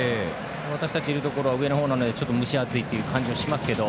私たちがいるところは上の方なので蒸し暑いという感じがしますけど